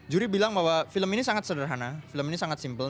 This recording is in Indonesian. juri bilang bahwa film ini sangat sederhana film ini sangat simple